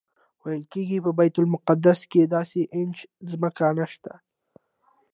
ویل کېږي په بیت المقدس کې داسې انچ ځمکه نشته.